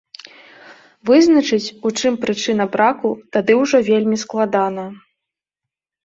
Вызначыць, у чым прычына браку, тады ўжо вельмі складана.